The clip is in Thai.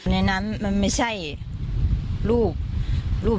ในนั้นมันไม่ใช่รูปหนู